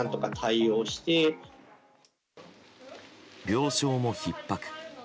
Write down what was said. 病床もひっ迫。